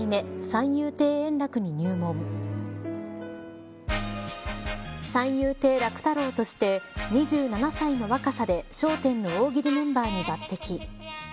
三遊亭楽太郎として２７歳の若さで笑点の大喜利メンバーに抜てき。